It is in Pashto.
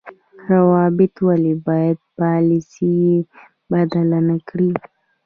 روابط ولې باید پالیسي بدله نکړي؟